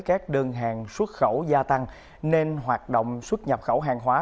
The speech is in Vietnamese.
các đơn hàng xuất khẩu gia tăng nên hoạt động xuất nhập khẩu hàng hóa